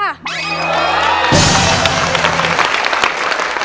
ไม่ใช้ค่ะ